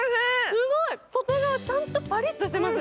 すごい、外側ちゃんとパリッとしてる。